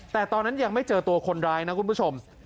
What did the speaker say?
แต่ตอนนั้นยังไม่เจอตัวคนร้ายนะคุณผู้ชม